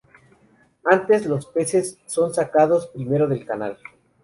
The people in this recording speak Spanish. Antes los peces son sacados primero del canal.